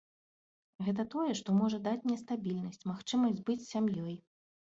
Гэта тое, што можа даць мне стабільнасць, магчымасць быць з сям'ёй.